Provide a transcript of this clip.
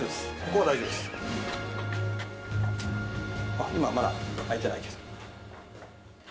あっ今まだ開いてないけど。